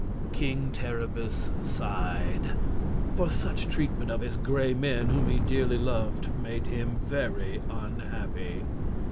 King Terribus sighed, for such treatment of his Gray Men, whom he dearly loved, made him very unhappy.